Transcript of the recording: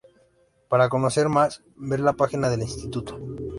Para conocer más, ver la página del instituto.